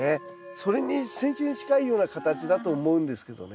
それにセンチュウに近いような形だと思うんですけどね。